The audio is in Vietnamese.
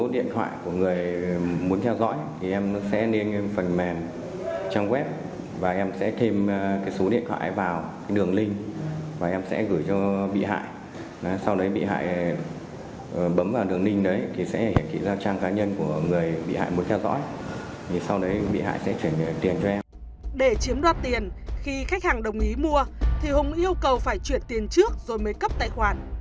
để chiếm đoạt tiền khi khách hàng đồng ý mua thì hùng yêu cầu phải chuyển tiền trước rồi mới cấp tài khoản